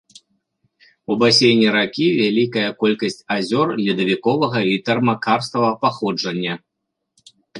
У басейне ракі вялікая колькасць азёр ледавіковага і тэрмакарставага паходжання.